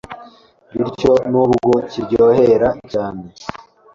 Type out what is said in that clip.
bityo nubwo kiryohera cyane